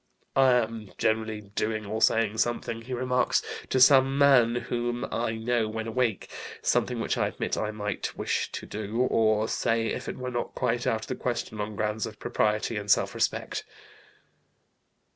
"I am generally doing or saying something," he remarks, "to some man whom I know when awake, something which I admit I might wish to do or say if it were not quite out of the question on grounds of propriety and self respect."